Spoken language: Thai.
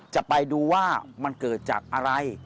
จะไปดูว่ามันเกิดจากอะไร